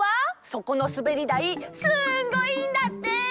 そこのすべりだいすんごいんだって！